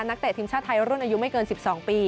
เตะทีมชาติไทยรุ่นอายุไม่เกิน๑๒ปี